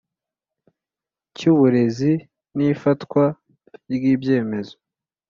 Cy uburezi n ifatwa ry ibyemezo